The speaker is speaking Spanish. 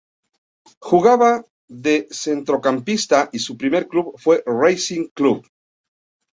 Jugaba de centrocampista y su primer club fue Racing Club.